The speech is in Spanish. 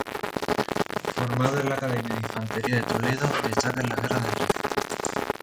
Formado en la Academia de Infantería de Toledo destaca en la guerra del Rif.